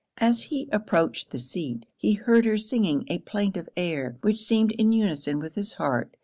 As he approached the seat, he heard her singing a plaintive air, which seemed in unison with his heart.